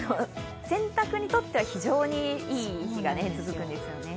洗濯にとっては非常にいい日が続くんですよね。